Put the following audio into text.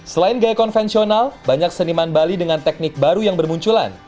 selain gaya konvensional banyak seniman bali dengan teknik baru yang bermunculan